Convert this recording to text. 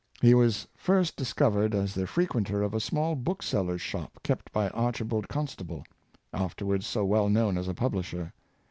He was first discovered as the frequenter of a Professor Lee, 323 small bookseller's shop kept by Archibald Constable, afterwards so well known as a publisher.